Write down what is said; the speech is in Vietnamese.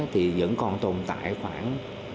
thì vẫn còn tồn tại khoảng